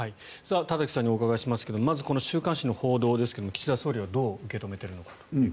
田崎さんにお伺いしますがまずこの週刊誌の報道ですが岸田総理はどう受け止めているんですか？